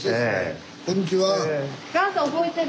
こんにちは。